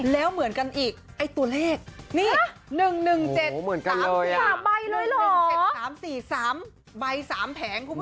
แล้วเหมือนกันอีกไอ้ตัวเลขนี่๑๑๗๓๓ใบ๓แผงคุณผู้ชม